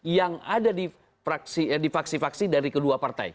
yang ada di faksi faksi dari kedua partai